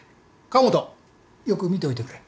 河本よく見ておいてくれ。